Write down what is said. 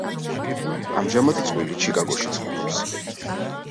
ამჟამად წყვილი ჩიკაგოში ცხოვრობს.